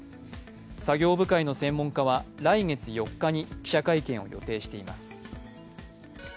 作業部会の専門家は来月４日に記者会見を予定しています。